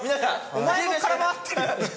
お前も空回ってるよ。